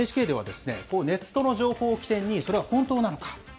ＮＨＫでは、ネットの情報を基点に、それは本当なのか？